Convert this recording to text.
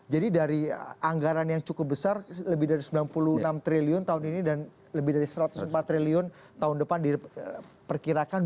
jadi dari anggaran yang cukup besar lebih dari sembilan puluh enam triliun tahun ini dan lebih dari satu ratus empat triliun tahun depan diperkirakan